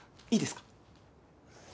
いいですか？